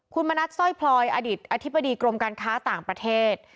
คุณมณัฐสร้อยพลอยอดีตอธิบดีกรมการค้าต่างประเทศ